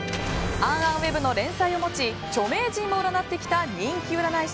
ａｎａｎｗｅｂの連載を持ち著名人も占ってきた人気占い師